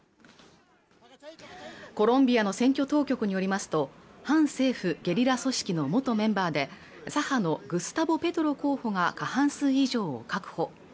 コロンビアの選挙当局によりますと反政府ゲリラ組織の元メンバーで左派のグスタボ・ペトロ候補が過半数以上を確保